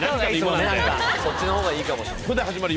そっちの方がいいかもしんない。